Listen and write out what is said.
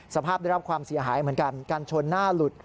สภาพได้รับความเสียหายเหมือนกันการชนหน้าหลุด